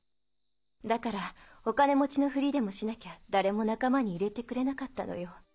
だからお金持ちのフリでもしなきゃ誰も仲間に入れてくれなかったのよ。